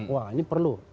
wah ini perlu